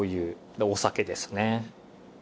でお酒ですね。